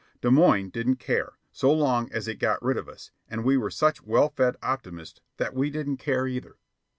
Des Moines didn't care, so long as it got rid of us, and we were such well fed optimists that we didn't care either.